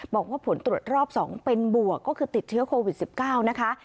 บอกว่าผลตรวจรอบ๒เป็นบวกก็คือติดเชื้อโควิด๑๙นะคะ